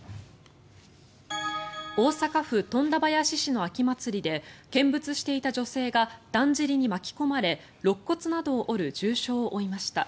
大阪府富田林市の秋祭りで見物していた女性がだんじりに巻き込まれろっ骨などを折る重傷を負いました。